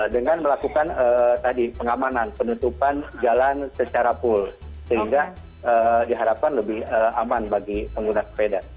dengan melakukan tadi pengamanan penutupan jalan secara full sehingga diharapkan lebih aman bagi pengguna sepeda